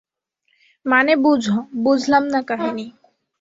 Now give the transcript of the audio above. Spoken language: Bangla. মানে, বুঝ, বুঝলাম না কাহিনি।